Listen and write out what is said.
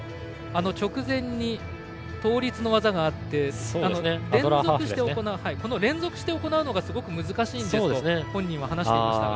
直前に倒立の技があって連続して行うのがすごく難しいんですと本人は話していました。